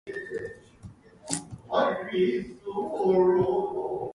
Wishek was originally built up chiefly by Germans from Russia.